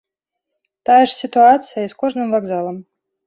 Тая ж сітуацыя і з кожным вакзалам.